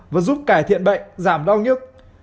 và giúp cải thiện bệnh giảm đau nhức